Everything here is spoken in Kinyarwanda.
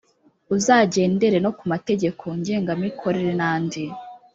uzagendera no ku mategeko ngengamikorere n andi